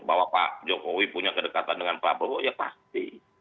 bahwa pak jokowi punya kedekatan dengan prabowo ya pasti